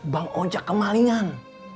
bang ocak kemalingan